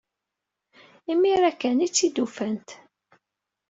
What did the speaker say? Imir-a kan ay tt-id-ufant.